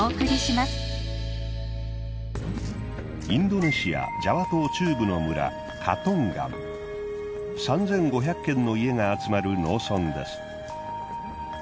インドネシアジャワ島中部の村３，５００軒の家が集まる農村です。